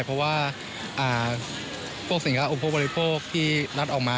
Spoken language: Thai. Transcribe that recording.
เพราะว่าพวกสินค้าอุปโภคบริโภคที่รัฐออกมา